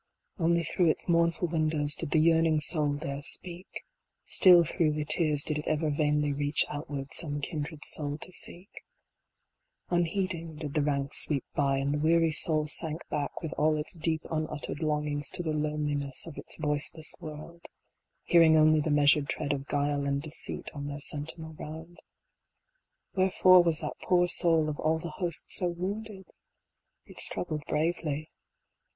Only through its mournful windows did the yearning soul dare speak ; Still through the tears did it ever vainly reach outward some kindred soul to seek. Unheeding did the ranks sweep by ; And the weary soul sank back with all its deep unuttered longings to the loneliness of its voiceless world. 28 THE RELEASE. Hearing only the measured tread of Guile and Deceit on their sentinel round. Wherefore was that poor soul of all the host so wounded ? It struggled bravely.